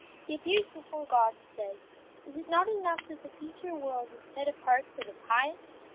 He appears before God, and says: "Is it not enough that the future world is set apart for the pious?